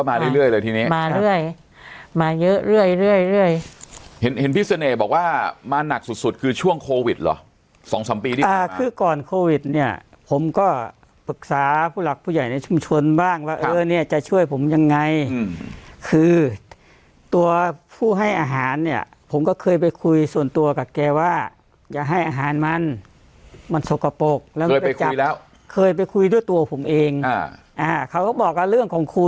มาเรื่อยมาเยอะเรื่อยเรื่อยเรื่อยเห็นเห็นพี่เสน่ห์บอกว่ามาหนักสุดสุดคือช่วงโควิดเหรอสองสามปีอ่าคือก่อนโควิดเนี้ยผมก็ปรึกษาผู้หลักผู้ใหญ่ในชุมชนบ้างว่าเออเนี้ยจะช่วยผมยังไงอืมคือตัวผู้ให้อาหารเนี้ยผมก็เคยไปคุยส่วนตัวกับแกว่าจะให้อาหารมันมันสกปรกแล้วเคยไปคุยแล้วเคยไปคุยด้วยตัวผมเ